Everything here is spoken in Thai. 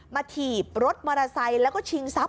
มาถีบรถมอเตอร์ไซแล้วก็ชิงซับบ่อย